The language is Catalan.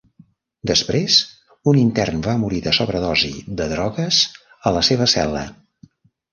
Després, un intern va morir de sobredosi de drogues a la seva cel·la.